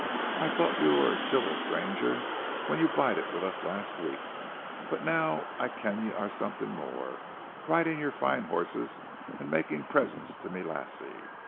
I thocht ye waur a ceevil stranger when ye bided wi' us last week, but noo I ken ye are something mair, ridin' your fine horses an' makin' presents tae ma lassie.